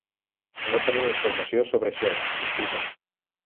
No tenim informació sobre això, disculpa.